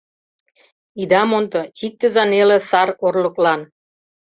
Ида мондо — чиктыза неле сар орлыклан